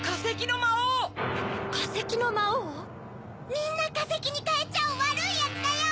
みんなかせきにかえちゃうわるいヤツだよ！